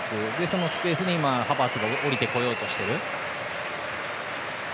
そのスペースにハバーツが下りてこようとしている。